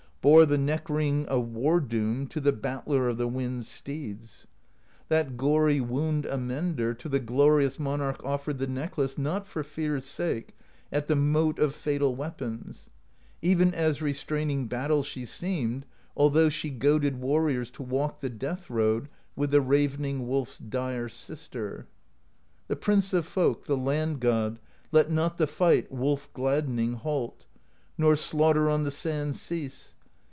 Bore the neck ring of War Doom To the Battler of the Wind's Steeds. 190 PROSE EDDA That gory Wound Amender To the glorious Monarch offered The necklace not for fear's sake, At the mote of fatal weapons: Ever as restraining battle She seemed, although she goaded Warriors to walk the death road With the ravening Wolf's dire Sister. The Prince of Folk, the Land God, Let not the fight, wolf gladdening. Halt, nor slaughter on the sands cease.